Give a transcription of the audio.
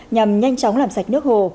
nhằm nhanh chóng làm sạch nước hồ